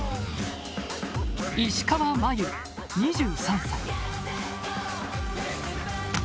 石川真佑、２３歳。